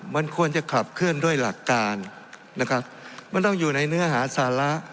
มันควรจะขับเคลื่อนด้วยหลักการนะครับมันต้องอยู่ในเนื้อหาสาระ